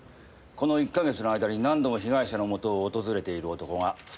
この１か月の間に何度も被害者のもとを訪れている男が２人いた。